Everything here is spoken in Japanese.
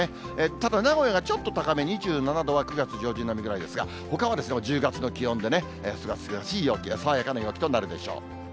ただ、名古屋がちょっと高め、２７度は９月上旬並みぐらいですが、ほかは１０月の気温ですがすがしい陽気、爽やかな陽気となるでしょう。